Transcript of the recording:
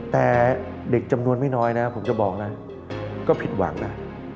แต่เด็กจำนวนไม่น้อยนะผมจะบอกนะก็ผิดหวังนะ